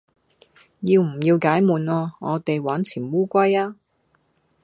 要唔要解悶啊我哋玩潛烏龜呀